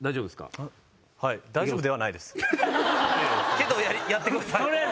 けどやってください。